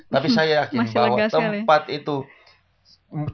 tapi saya yakin bahwa tempat itu masya allah saya